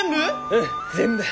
うん全部。